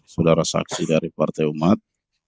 saudara saksi dari partai umat